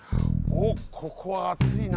おっここはあついな。